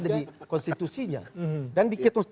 tapi kan itu ada di konstitusinya